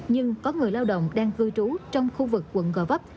nhưng có người lao động đang cư trú trong khu vực quận gò vấp